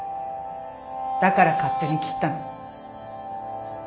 だから勝手に切ったの？